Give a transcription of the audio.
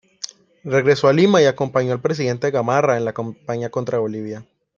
Regresó a Lima y acompañó al presidente Gamarra en la campaña contra Bolivia.